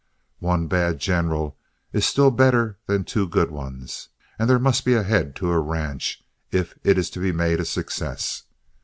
One bad general is still better than two good ones, and there must be a head to a ranch if it is to be made a success.